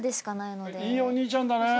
いいお兄ちゃんだね。